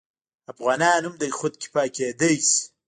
افغانان هم خودکفا کیدی شي.